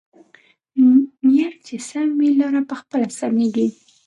نیت چې سم وي، لاره پخپله سمېږي.